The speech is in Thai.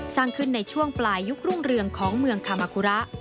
สร้างขึ้นในช่วงปลายยุครุ่งเรืองของเมืองคามาคุระ